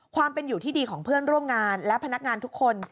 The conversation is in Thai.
ความเป็นอยู่ที่ดีของเพื่อนร่วมงานและพนักงานทุกคน